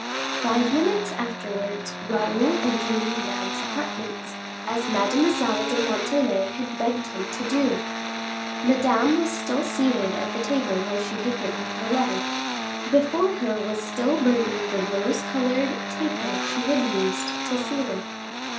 Five minutes afterwards Raoul entered Madame's apartments, as Mademoiselle de Montalais had begged him to do. Madame was still seated at the table where she had written her letter. Before her was still burning the rose colored taper she had used to seal it.